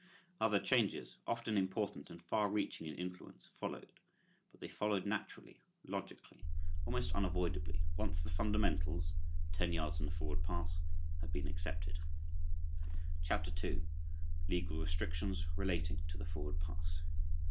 Other changes, often important and far reaching in influence, followed, but they followed naturally, logically, almost unavoidably, once the fundamentals, ten yards and the forward pass, had been accepted. CHAPTER II. LEGAL RESTRICTIONS RELATING TO THE FORWARD PASS.